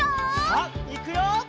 さあいくよ！